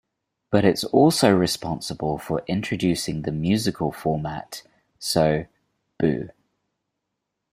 But it's also responsible for introducing the musical format, so, boo.